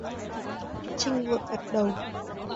Trinh vội gật đầu